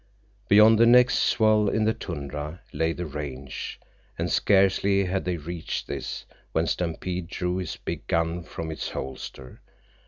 Beyond the next swell in the tundra lay the range, and scarcely had they reached this when Stampede drew his big gun from its holster.